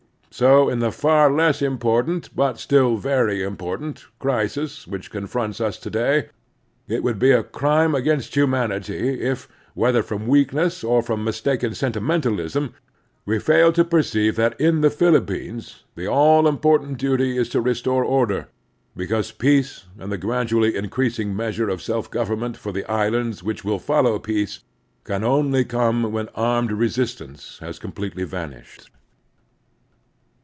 So in the far less important, but still very important, crisis which confronts us to day, it would be a crime against humanity if, whether from weakness or from mistaken sentimentalism, we failed to perceive that in the Philippines the all important duty is to restore order; because peace, and the gradually increasing measxire of Grant S09 self government for the islands which will follow peace, can only come when armed resistance has completely vanished.